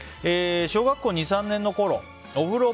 小学校２３年のころ